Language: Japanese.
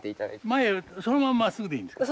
前そのまんままっすぐでいいんですか？